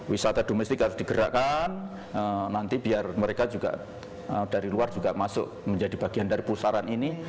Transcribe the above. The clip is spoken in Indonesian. wisata domestik harus digerakkan nanti biar mereka juga dari luar juga masuk menjadi bagian dari pusaran ini